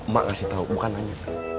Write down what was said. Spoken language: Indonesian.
mak ngasih tau bukan nanya